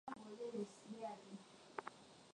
kuwa kumbuka mapema hapo jana nilikwambia ndiyo aidha